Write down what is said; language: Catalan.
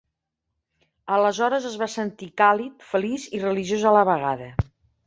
Aleshores es va sentir càlid, feliç i religiós a la vegada.